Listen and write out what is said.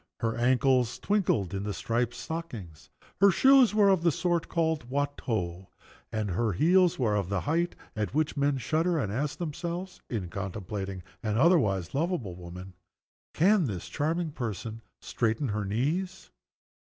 Her ankles twinkled in striped stockings. Her shoes were of the sort called "Watteau." And her heels were of the height at which men shudder, and ask themselves (in contemplating an otherwise lovable woman), "Can this charming person straighten her knees?"